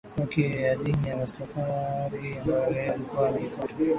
Kwake na dini ya Rastafari ambayo yeye alikuwa anaifuata